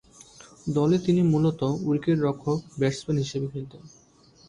দলে তিনি মূলতঃ উইকেট-রক্ষক-ব্যাটসম্যান হিসেবে খেলতেন।